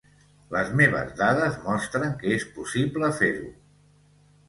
Les meves dades mostren que és possible fer-ho.